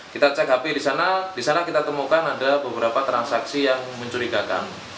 kita cek api di sana di sana kita temukan ada beberapa transaksi yang mencurigakan